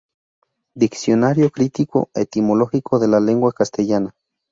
Diccionario crítico etimológico de la lengua castellana